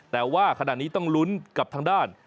แต่ว่าขณะนี้ต้องลุ้นกับทางด้าน